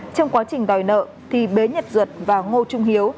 trong quá trình đòi nợ thì bến nhật duột và ngô trung hiếu